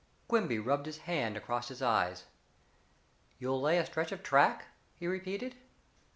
Quimby rubbed his hand across his eyes. "You'll lay a stretch of track " he repeated.